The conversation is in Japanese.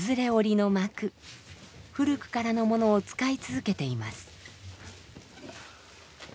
古くからのものを使い続けています。